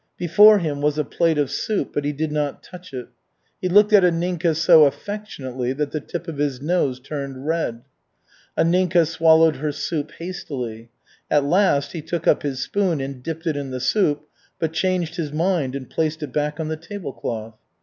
Before him was a plate of soup, but he did not touch it. He looked at Anninka so affectionately that the tip of his nose turned red. Anninka swallowed her soup hastily. At last he took up his spoon and dipped it in the soup, but changed his mind, and placed it back on the tablecloth.